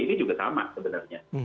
ini juga sama sebenarnya